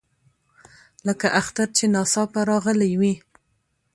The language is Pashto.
لکه اختر چې ناڅاپه راغلی وي.